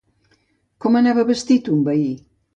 Com anava vestit un veí?